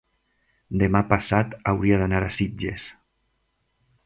demà passat hauria d'anar a Sitges.